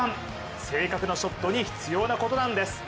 正確なショットに必要なことなんです。